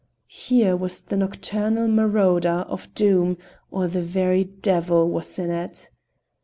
Here was the nocturnal marauder of Doom, or the very devil was in it!